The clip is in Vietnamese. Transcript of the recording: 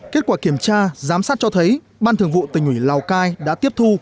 kết quả kiểm tra giám sát cho thấy ban thường vụ tỉnh ủy lào cai đã tiếp thu